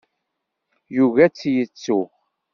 Yugi ad tt-yettu.